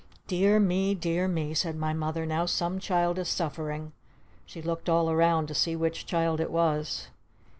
"Dear me! Dear me!" said my Mother. "Now some child is suffering!" She looked all around to see which child it was.